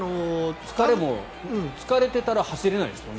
疲れていたら走れないですもんね。